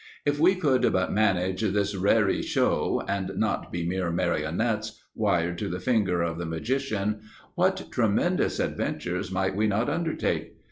If we could but manage this raree show, and not be mere marionettes, wired to the finger of the Magician, what tremendous adventures might we not undertake!